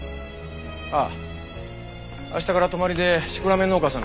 ああ明日から泊まりでシクラメン農家さんの所だから。